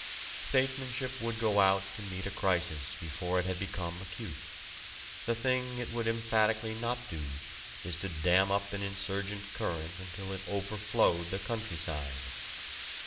Statesmanship would go out to meet a crisis before it had become acute. The thing it would emphatically not do is to dam up an insurgent current until it overflowed the countryside.